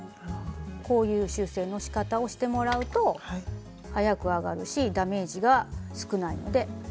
こういう修正のしかたをしてもらうと早く上がるしダメージが少ないので。